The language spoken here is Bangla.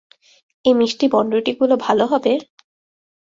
এই মিষ্টি বনরুটি গুলো ভালো হবে?